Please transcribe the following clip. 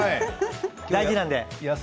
大事なので。